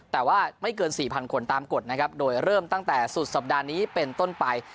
แต่ว่าไม่เกิน๔๐๐คนตามกฎนะครับโดยเริ่มตั้งแต่สุดสัปดาห์นี้เป็นต้นไป